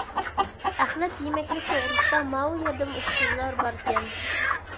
ئەخلەت يېمەكلىك توغرىسىدا ماۋۇ يەردىمۇ ئۇچۇرلار باركەن.